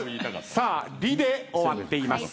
さあ「り」で終わっています。